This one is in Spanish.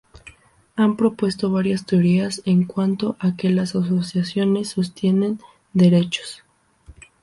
Han propuesto varias teorías en cuanto a que las asociaciones sostienen derechos.